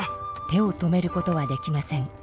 手を止めることはできません。